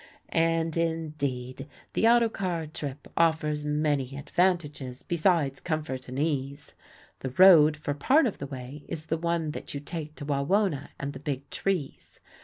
And, indeed, the auto car trip offers many advantages besides comfort and ease. The road for part of the way is the one that you take to Wawona and the big trees.